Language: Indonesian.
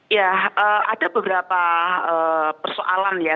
ya ada beberapa persoalan ya